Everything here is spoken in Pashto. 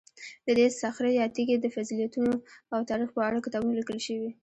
د دې صخرې یا تیږې د فضیلتونو او تاریخ په اړه کتابونه لیکل شوي.